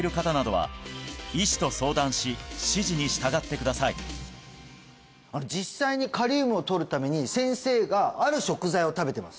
ただし実際にカリウムを摂るために先生がある食材を食べてます